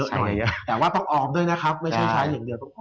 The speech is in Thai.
ใช่แต่ว่าต้องออมด้วยนะครับไม่ใช่ใช้อย่างเดียวต้องพอ